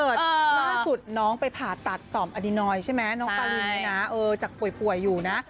เกียร์ว่าสุดน้องไปผ่าตัดสอมอะรีนอยก์ใช่ไหมน้องปลารินเนี่ยนะจากป่วยแล้วนะ